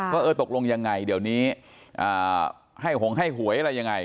เออตกลงยังไงเดี๋ยวนี้ให้หงให้หวยอะไรยังไง